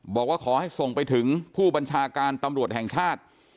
บอกว่าขอให้ส่งไปถึงผู้บัญชาการตำรวจแห่งชาติ